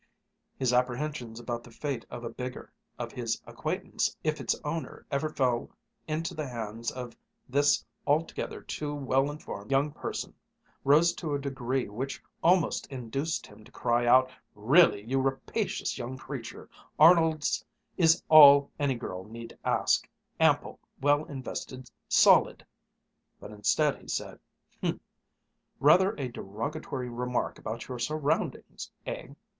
His apprehensions about the fate of a bigger of his acquaintance if its owner ever fell into the hands of this altogether too well informed young person rose to a degree which almost induced him to cry out, "Really, you rapacious young creature, Arnold's is all any girl need ask, ample, well invested, solid...." But instead he said, "Humph! Rather a derogatory remark about your surroundings, eh?"